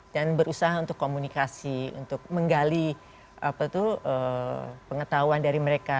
dan berusaha untuk komunikasi untuk menggali pengetahuan dari mereka